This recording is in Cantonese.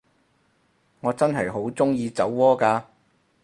我真係好鍾意酒窩㗎